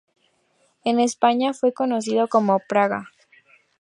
En España fue conocido como "Praga".